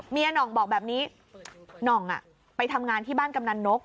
หน่องบอกแบบนี้หน่องไปทำงานที่บ้านกำนันนก